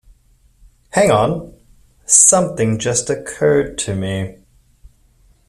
Hang on! Something just occurred to me.